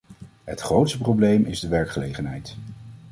Het grootste probleem is de werkgelegenheid.